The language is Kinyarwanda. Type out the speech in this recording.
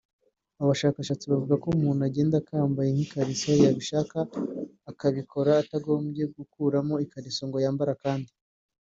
Abo bashakashatsi bavuze ko umuntu agenda akambaye nk’ikariso yabishaka akabikora atagombye gukuramo ikariso ngo yambare akandi